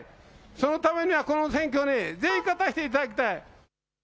そのためにはこの選挙にぜひ勝たしていただきたい。